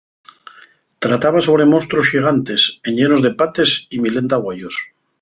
Trataba sobre monstruos xigantes, enllenos de pates y milenta güeyos.